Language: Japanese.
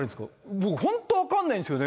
僕、本当に分からないんですよね。